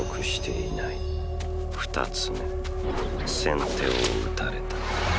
２つめ先手を打たれた。